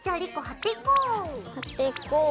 貼っていこう。